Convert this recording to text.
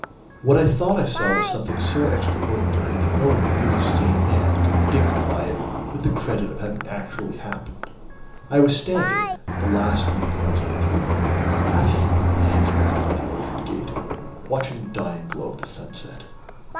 "What I thought I saw was something so extraordinary that no really sane man could dignify it with the credit of having actually happened. I was standing, the last evening I was with you, half hidden in the hedge growth by the orchard gate, watching the dying glow of the sunset.